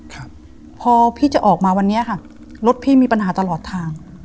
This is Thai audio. ครับพอพี่จะออกมาวันนี้ค่ะรถพี่มีปัญหาตลอดทาง